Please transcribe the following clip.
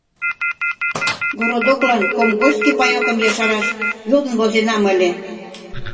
Городоклан комгольский паёкым ешараш йодын возенам ыле.